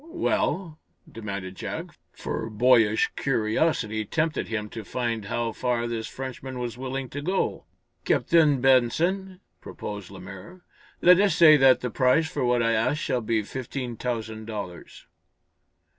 "Well?" demanded Jack, for boyish curiosity tempted him to find how far this Frenchman was willing to go. "Captain Benson," proposed Lemaire, "let us say that the price for what I ask shall be fifteen thousand dollars."